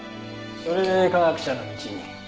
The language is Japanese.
それで科学者の道に？